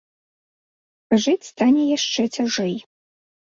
Жыць стане яшчэ цяжэй.